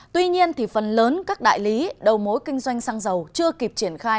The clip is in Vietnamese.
tuy nhiên phần lớn các đại lý đầu mối kinh doanh xăng dầu chưa kịp triển khai